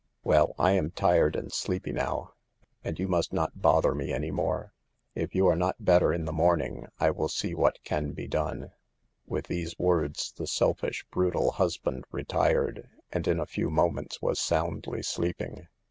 " Well, I am tired and sleepy now, and you must not bother me any more. If you are not better in the morning I will see what can be done." With these words the selfish, brutal hus band retired, and in a few moments was soundly sleeping.